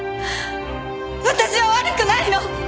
私は悪くないの！